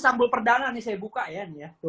ini sampul perdana nih saya buka ya